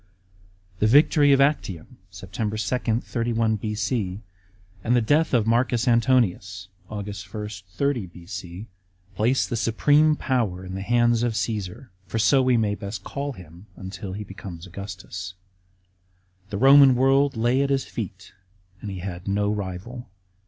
The victory of Actium (Sept. 2, 31 B.C.), and the death of Marcus Antonius (Aug. 1, 30 B.C.) placed the supreme power in the hands of C«esar, for so we may best call him until he becomes Augustus. The Eoman world lay at his feet and he had no rival.